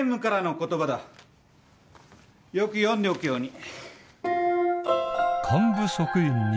よく読んでおくように。